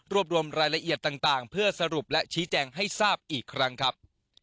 รวมรวมรายละเอียดต่างเพื่อสรุปและชี้แจงให้ทราบอีกครั้งครับ